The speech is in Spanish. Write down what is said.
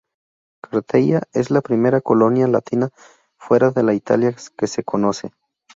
Carteia es la primera colonia latina fuera de Italia que se conoce.